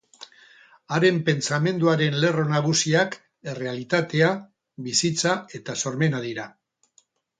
Haren pentsamenduaren lerro nagusiak errealitatea, bizitza eta sormena dira.